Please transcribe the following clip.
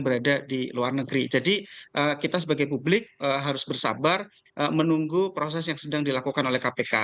berada di luar negeri jadi kita sebagai publik harus bersabar menunggu proses yang sedang dilakukan oleh kpk